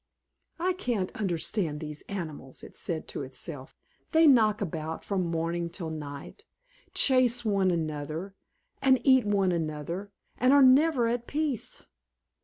"I can't understand these animals," it said to itself. "They knock about from morning till night, chase one another and eat one another, and are never at peace.